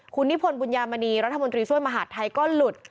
คุณนิพนธ์บุญญามณีรัฐมนตรีช่วยมหาดไทยก็หลุด